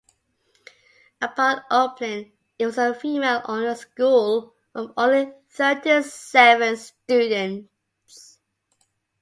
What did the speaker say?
Upon opening, it was a female-only school of only thirty-seven students.